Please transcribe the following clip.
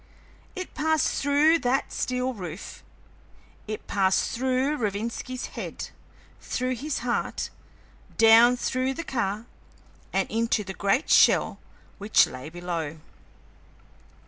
It passed through that steel roof; it passed through Rovinski's head, through his heart, down through the car, and into the great shell which lay below.